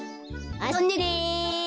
・あそんでくるね！